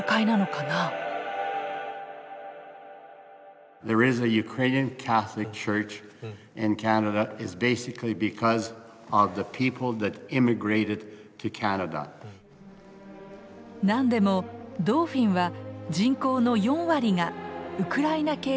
なんでもドーフィンは人口の４割がウクライナ系の移民らしい。